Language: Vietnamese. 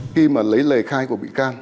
khi mà lấy lời khai của bị can